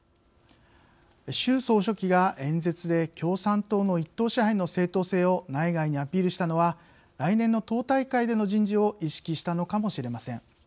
習総書記が、演説で共産党の一党支配の正当性を内外にアピールしたのは来年の党大会での人事を意識したのかもしれません。